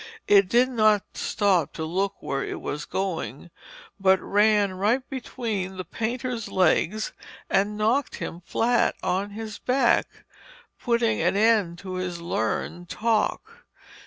It did not stop to look where it was going, but ran right between the painter's legs and knocked him flat on his back, putting an end to his learned talk.